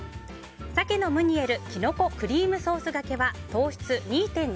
鮭のムニエルキノコクリームソースがけは糖質２．２ｇ。